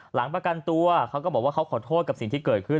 หลังประกันตัวเขาก็บอกว่าเขาขอโทษกับสิ่งที่เกิดขึ้น